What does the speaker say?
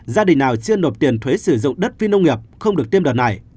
gia đình nào chưa nộp tiền thuế sử dụng đất phi nông nghiệp không được tiêm đợt này